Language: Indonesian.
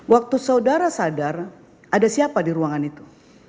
waktu saudara sadar ada siapa di ruangan itu